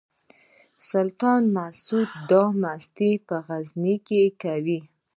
سلطان مسعود دا مستي په غزني کې کوي.